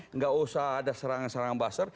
tidak usah ada serangan serangan buzzer